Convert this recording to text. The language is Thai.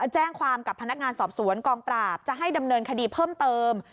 แจ้งความกับพนักงานสอบสวนกองปราบจะให้ดำเนินคดีเพิ่มเติม